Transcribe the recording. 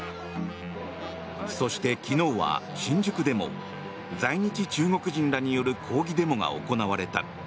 そして、昨日は新宿でも在日中国人らによる抗議デモが行われた。